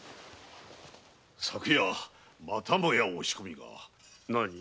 昨夜またも押し込みが。